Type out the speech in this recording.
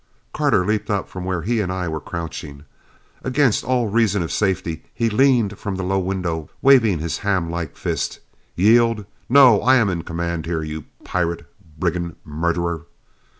Carter leaped up from where he and I were crouching. Against all reason of safety he leaned from the low window, waving his hamlike fist. "Yield? No! I am in command here, you pirate! Brigand murderer!"